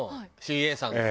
ＣＡさんの。